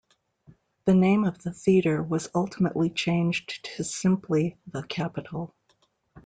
The name of the theatre was ultimately changed to simply "the Capitol".